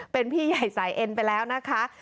เป็นพี่ใหญ่สายเอ็นครับ